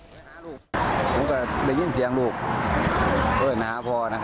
และการดึงออก